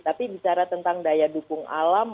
tapi bicara tentang daya dukung alam